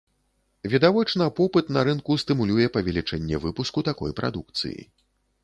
Відавочна, попыт на рынку стымулюе павелічэнне выпуску такой прадукцыі.